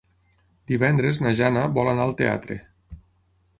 Divendres na Jana vol anar al teatre.